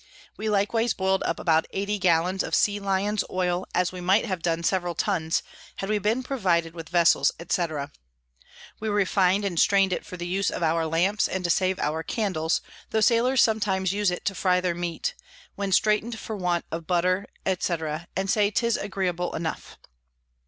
We likewise boil'd up about 80 Gallons of Sea Lions Oil, as we might have done several Tuns, had we been provided with Vessels, &c. We refin'd and strain'd it for the use of our Lamps and to save our Candles, tho Sailors sometimes use it to fry their Meat, when straiten'd for want of Butter, &c. and say 'tis agreeable enough.